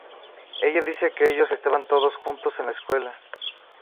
Ella dice que ""Ellos estaban todos juntos en la escuela"".